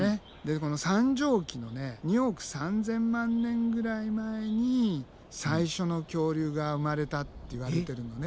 この三畳紀の２億３，０００万年ぐらい前に最初の恐竜が生まれたっていわれてるのね。